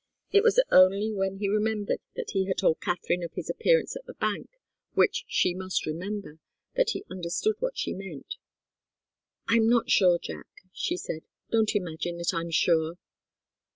It was only when he remembered that he had told Katharine of his appearance at the bank, which she must remember, that he understood what she meant. "I'm not sure, Jack," she said. "Don't imagine that I'm sure."